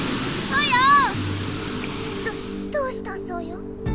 どどうしたソヨ？